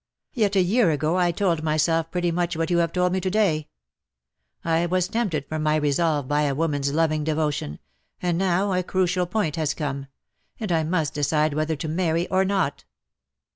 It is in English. Yet a year ago I told myself pretty much what you have told me to day. I was tempted from my resolve by a woman's loving devotion — and now — a crucial point has come — and I must decide whether to marry or not.''